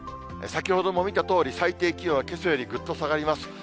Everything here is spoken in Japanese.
先ほども見たとおり、最低気温はけさよりぐっと下がります。